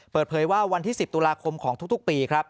เปิดเผยว่าวันที่๑๐ตุลาคมของทุกปีครับ